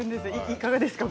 いかがですか？